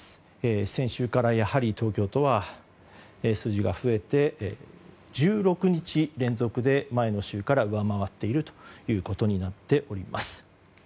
先週からやはり東京都は数字が増えて１６日連続で前の週から上回っているということになっております。